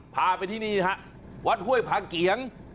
พาไปที่นี่ฮะวัดห้วยพาเกียง